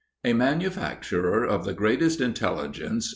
A manufacturer of the greatest intelligence, M.